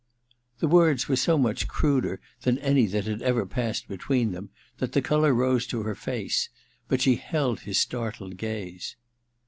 The words were so much cruder than any that had ever passed between them that the colour rose to her face ; but she held his startled gaze.